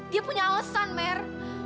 dia punya alesan mer